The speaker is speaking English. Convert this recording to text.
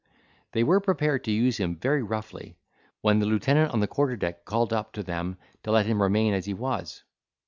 They were prepared to use him very roughly, when the lieutenant on the quarter deck called up to them to let him remain as he was.